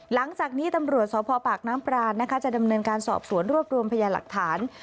หลังจากนี้ตำรวจสพปากน้ำปรานนะคะจะดำเนินการสอบสวนรวบรวมพยาหลักฐาน